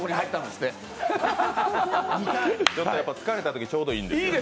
ちょっと疲れたときにちょうどいいですね。